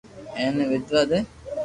ايني واڌوا دي